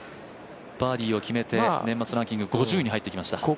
バーディーを決めて年末ランキング５０位に入ってきました。